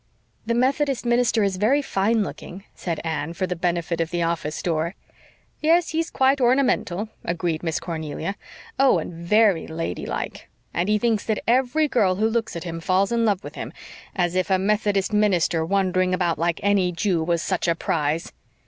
"The Methodist minister is very fine looking," said Anne, for the benefit of the office door. "Yes, he's quite ornamental," agreed Miss Cornelia. "Oh, and VERY ladylike. And he thinks that every girl who looks at him falls in love with him as if a Methodist minister, wandering about like any Jew, was such a prize!